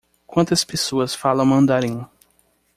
Quantas pessoas falam mandarim?